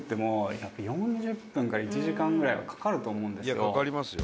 いやかかりますよ。